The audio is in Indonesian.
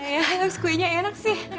ya harus kuenya enak sih